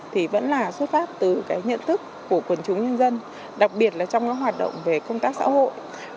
thì vẫn là xuất phát từ cái nhận thức của quần chúng nhân dân đặc biệt là trong các hoạt động về công tác xã hội